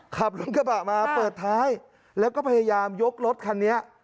ขับรถกระบะมาเปิดท้ายแล้วก็พยายามยกรถคันนี้